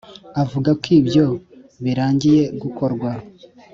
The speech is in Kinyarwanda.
Avuga ko ibyo birangiye gukorwa